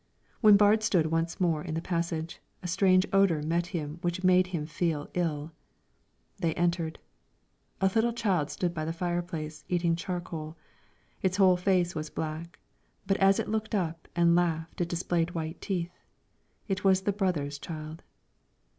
When Baard stood once more in the passage, a strange odor met him which made him feel ill. They entered. A little child stood by the fireplace eating charcoal; its whole face was black, but as it looked up and laughed it displayed white teeth, it was the brother's child.